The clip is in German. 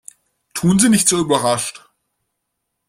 Tun Sie nicht so überrascht!